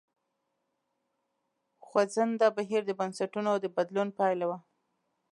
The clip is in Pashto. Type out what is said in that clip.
خوځنده بهیر د بنسټونو د بدلون پایله وه.